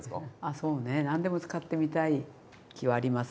そうね何でも使ってみたい気はあります